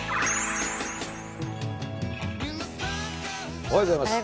おはようございます。